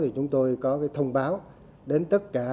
chúng tôi có thông báo đến tất cả